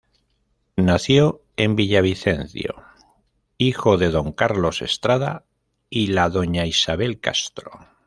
Nació en Villavicencio, hijo de don Carlos Estrada y la doña Isabel Castro.